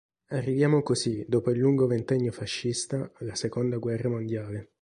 Arriviamo così, dopo il lungo ventennio fascista, alla seconda guerra mondiale.